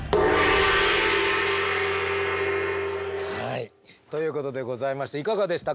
はいということでございましていかがでしたか？